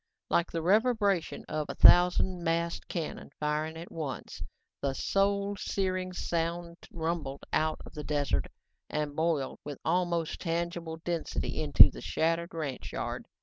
Like the reverberation of a thousand massed cannon firing at once, the soul searing sound rumbled out of the desert and boiled with almost tangible density into the shattered ranch yard.